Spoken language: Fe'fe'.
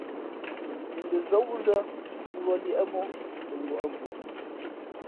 N dαzά wúzᾱ zʉ̌ʼ wuᾱ liēʼ ̀móʼ tα ngwα̌ʼ ̀mvʉʼ.